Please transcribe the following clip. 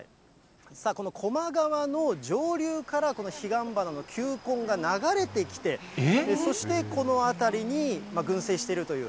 さあ、この高麗川の上流からこの彼岸花の球根が流れてきて、そして、この辺りに群生しているという。